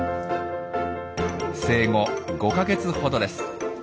生後５か月ほどです。